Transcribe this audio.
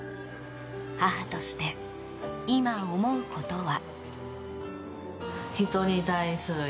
母として今、思うことは。